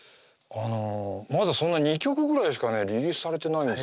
まだそんな２曲ぐらいしかリリースされてないんですけどね